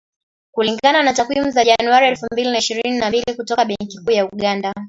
Kulingana na takwimu za Januari elfu mbili ishirini na mbili kutoka Benki Kuu ya Uganda